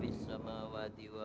ada apa ya